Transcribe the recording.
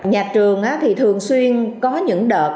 nhà trường thì thường xuyên có những đợt